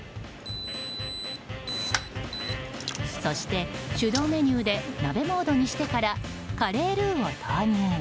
そして手動メニューで鍋モードにしてからカレールーを投入。